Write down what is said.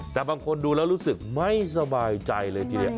แต่บางคนดูแล้วรู้สึกไม่สบายใจเลยทีเดียว